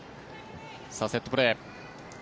セットプレー。